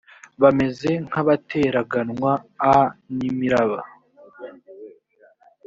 bameze nk abateraganwa a n imiraba